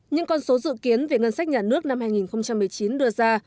những con số dự kiến về ngân sách nhà nước năm hai nghìn một mươi chín đưa ra